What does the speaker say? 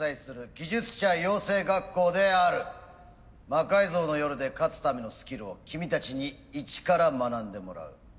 「魔改造の夜」で勝つためのスキルを君たちに一から学んでもらう。